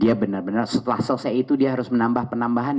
dia benar benar setelah selesai itu dia harus menambah penambahan